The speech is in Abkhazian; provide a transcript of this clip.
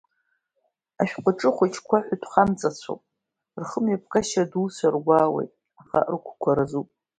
Ашәҟәаҿы ахәыҷқәа ҳәатәхамҵацәоуп, рхымҩаԥгашьа адуцәа аргәаауеит, аха рыгәқәа разуп.